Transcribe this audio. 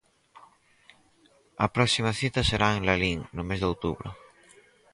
A próxima cita será en Lalín no mes de outubro.